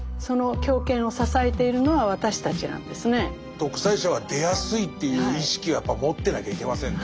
独裁者は出やすいという意識はやっぱ持ってなきゃいけませんね。